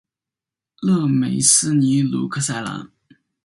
勒梅斯尼鲁克塞兰。